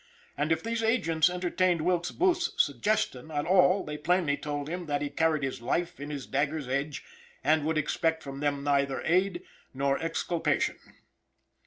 And if these agents entertained Wilkes Booth's suggestion at all they plainly told him that he carried his life in his dagger's edge, and could expect from them neither aid nor exculpation.